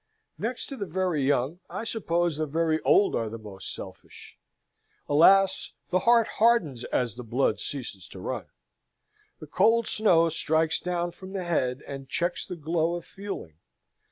Next to the very young, I suppose the very old are the most selfish. Alas, the heart hardens as the blood ceases to run. The cold snow strikes down from the head, and checks the glow of feeling.